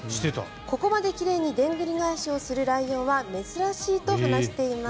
ここまで奇麗にでんぐり返しをするライオンは珍しいと話しています。